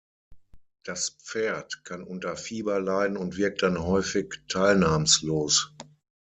Das Pferd kann unter Fieber leiden und wirkt dann häufig teilnahmslos.